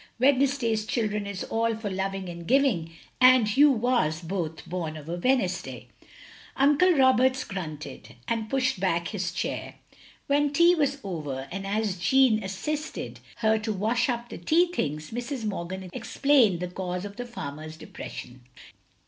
Wed nesday's childrai is all for loving and giving, and you was both bom of a Wednesday. " Uncle Roberts grunted, and pushed back his chair. When tea was over, and as Jeanne assisted 144 THE LONELY LADY her to wash up the tea things, Mrs. Morgan ex plained the cause of the farmer's depression.